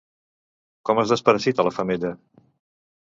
Com es desparasita la femella?